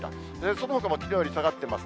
そのほかもきのうより下がってます。